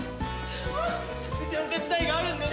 店の手伝いがあるんでね。